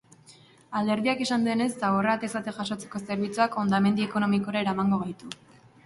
Alderdiak esan duenez, zaborra atez ate jasotzeko zerbitzuak hondamendi ekonomikora eramango gaitu.